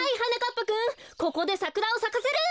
ぱくんここでサクラをさかせる！